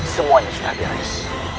semuanya sudah beres